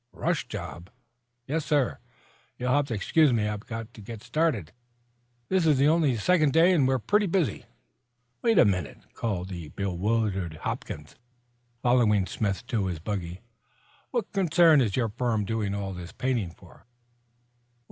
"Rush job?" "Yes, sir. You'll have to excuse me. I've got to get started. This is only our second day and we're pretty busy." "Wait a minute," called the bewildered Hopkins, following Smith to his buggy. "What concern is your firm doing all this painting for?"